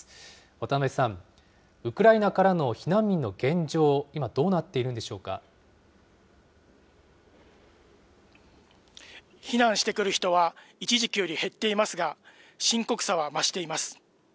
渡辺さん、ウクライナからの避難民の現状、今どうなっているんで避難してくる人は、一時期より減っていますが、深刻さは増しています。